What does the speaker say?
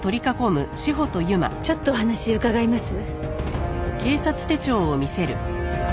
ちょっとお話伺えます？